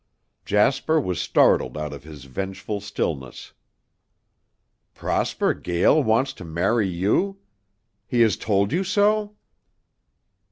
Jasper was startled out of his vengeful stillness. "Prosper Gael wants to marry you? He has told you so?"